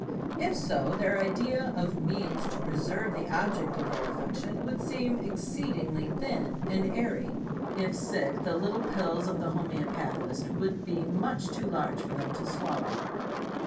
If so, their idea of means to preserve the object of their affec tion would seem exceedingly thin and airy. If sick, the little pills of the homeopathist would be much too large for them to swallow.